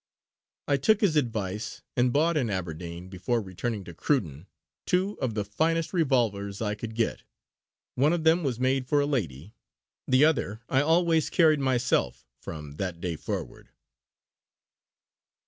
I took his advice and bought in Aberdeen, before returning to Cruden, two of the finest revolvers I could get. One of them was made for a lady; the other I always carried myself from that day forward.